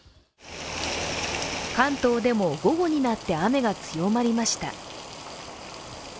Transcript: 関東でも午後になって雨が強まりました。